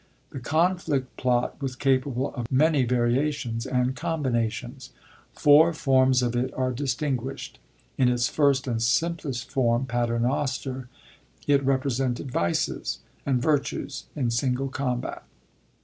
The Confiict plot was capable of many variations and combinations. Four forms of it are disting^isht. In its first and simplest form {Paiemoster t) it represented Vices and Virtues in single combat.